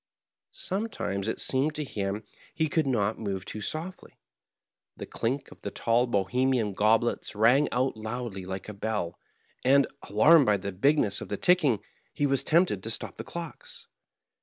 Sometimes it seemed to him he Digitized by VjOOQIC 60 MAREHEIM. could not move too softly ; the clink of the tall Bohe mian goblets rang out loudly like a bell ; and, alarmed by the bigness of the ticking, he was tempted to stop the clocks.